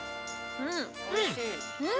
うん！